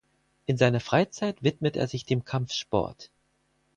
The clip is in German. In seiner Freizeit widmet er sich dem Kampfsport.